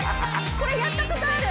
これやったことある！